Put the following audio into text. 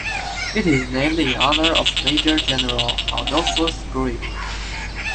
It is named in honor of Major General Adolphus Greely.